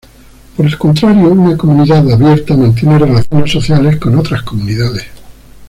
Por el contrario, una comunidad abierta mantiene relaciones sociales con otras comunidades.